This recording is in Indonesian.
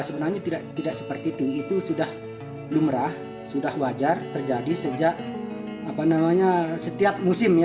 sebenarnya tidak seperti itu itu sudah lumrah sudah wajar terjadi sejak setiap musim ya